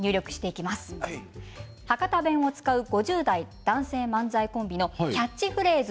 博多弁を使う５０代男性漫才コンビのキャッチフレーズ